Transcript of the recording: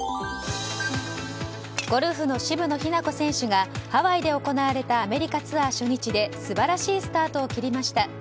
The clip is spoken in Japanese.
ゴルフの渋野日向子選手がハワイで行われたアメリカツアー初日で素晴らしいスタートを切りました。